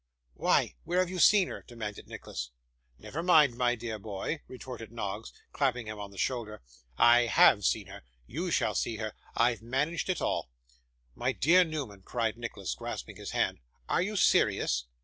'Why, where have you seen her?' demanded Nicholas. 'Never mind, my dear boy,' retorted Noggs, clapping him on the shoulder. 'I HAVE seen her. You shall see her. I've managed it all.' 'My dear Newman,' cried Nicholas, grasping his hand, 'are you serious?